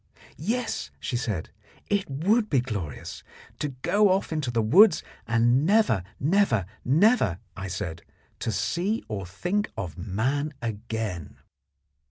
Yes, she said, it would be glorious. To go off into the woods, and never, never, never, I said, see or think of man again.